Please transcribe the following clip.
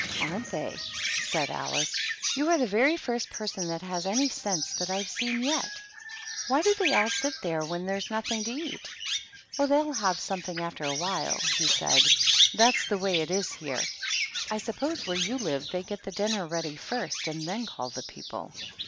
"Aren't they !" said Alice. " You are the very first person that has any sense that I have seen yet. Why do they all sit there when there's nothing to eat ?"" Oh, they'll have something after a while," he said. "That's the way it is here. I suppose where you live they get the dinner ready first and then call the people?"